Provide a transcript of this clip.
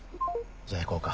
じゃあ行こうか。